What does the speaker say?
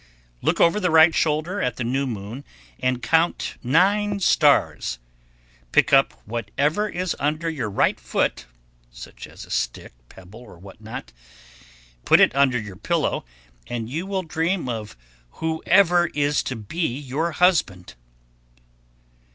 Look over the right shoulder at the new moon, and count nine stars, pick up whatever is under your right foot, such as a stick, pebble, or what not; put it under your pillow, and you will dream of whoever is to be your husband.